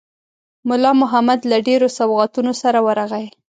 مُلا محمد له ډېرو سوغاتونو سره ورغی.